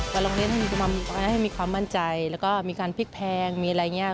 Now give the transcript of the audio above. แต่โรงเรียนให้มีความมั่นใจแล้วก็มีการพลิกแพงมีอะไรอย่างนี้